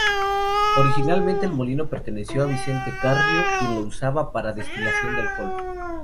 Originariamente, el molino perteneció a Vicente Carrió quien lo usaba para la destilación de alcohol.